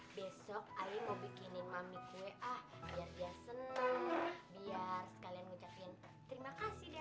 besok ayo bikinin mami kue ah biar dia seneng biar kalian ngucapin terima kasih